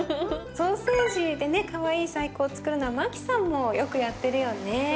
ソーセージでかわいい細工をつくるのはマキさんもよくやってるよね。